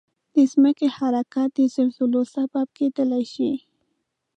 د ځمکې حرکت د زلزلو سبب کېدای شي.